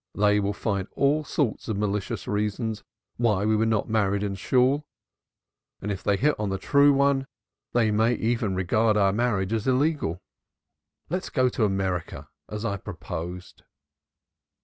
They will find all sorts of malicious reasons why we were not married in a Shool, and if they hit on the true one they may even regard our marriage as illegal. Let us go to America, as I proposed."